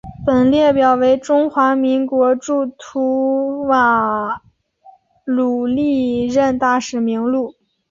本列表为中华民国驻吐瓦鲁历任大使名录。